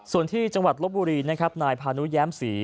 ส่วนที่จังหวัดลบบุรีนะครับนายพานุแย้มศรี